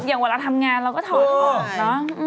อย่างเวลาทำงานเราก็ถอดออกเนอะ